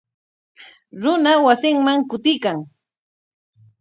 Runa wasinman kutiykan.